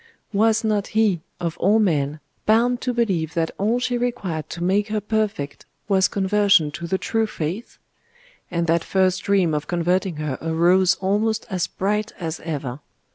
Was not he, of all men, bound to believe that all she required to make her perfect was conversion to the true faith?.... And that first dream of converting her arose almost as bright as ever....